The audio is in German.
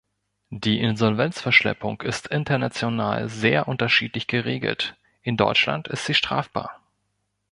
Die Insolvenzverschleppung ist international sehr unterschiedlich geregelt; in Deutschland ist sie strafbar.